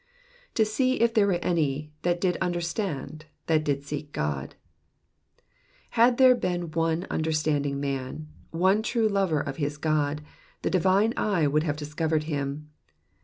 *^To see if there were any that did understand^ that did seek God.'*'* Had there been one understanding man, one true lover of his God, the divine eye would have discovered him.